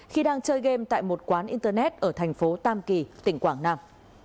khi đang chơi game tại một quán internet ở thành phố tam kỳ tỉnh quảng nam